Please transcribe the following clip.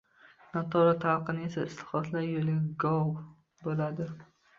Noto‘g‘ri talqin esa islohotlar yo‘liga g‘ov bo‘ladi.